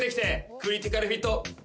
クリティカルフィット！